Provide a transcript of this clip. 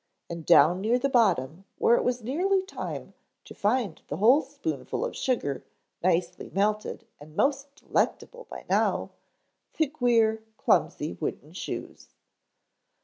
And down near the bottom where it was nearly time to find the whole spoonful of sugar, nicely melted and most delectable by now, the queer, clumsy wooden shoes.